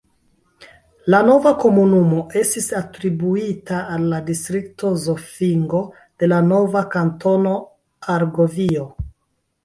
La nova komunumo estis atribuita al la distrikto Zofingo de la nova Kantono Argovio.